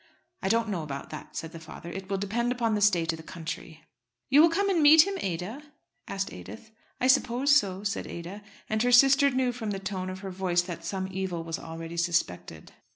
"I don't know about that," said the father. "It will depend upon the state of the country." "You will come and meet him, Ada?" asked Edith. "I suppose so," said Ada. And her sister knew from the tone of her voice that some evil was already suspected.